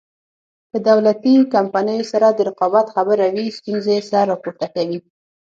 له دولتي کمپنیو سره د رقابت خبره وي ستونزې سر راپورته کوي.